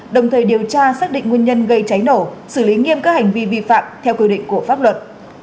đồng thời điều tra xác định nguyên nhân gây cháy nổ xử lý nghiêm các hành vi vi phạm theo quy định của pháp luật